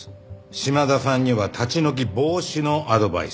島田さんには立ち退き防止のアドバイス。